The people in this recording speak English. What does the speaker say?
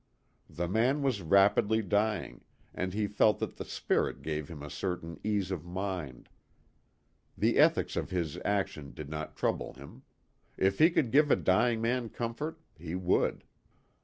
The man was rapidly dying, and he felt that the spirit gave him a certain ease of mind. The ethics of his action did not trouble him. If he could give a dying man comfort, he would.